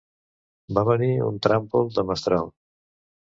Va venir un tràmpol de mestral.